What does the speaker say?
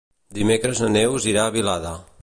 Dimecres na Neus irà a Vilada.